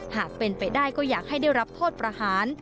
หากเป็นไปได้ก็อยากให้ได้รับโทษประหาร